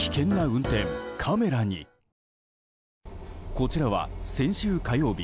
こちらは先週火曜日